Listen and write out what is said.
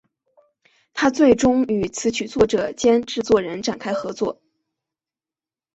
她最终与词曲作者兼制作人展开合作。